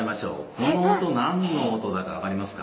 この音何の音だか分かりますか？